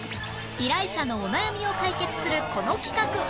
依頼者のお悩みを解決するこの企画